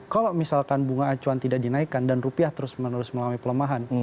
kalau misalkan bunga acuan tidak dinaikkan dan rupiah terus menerus melalui pelemahan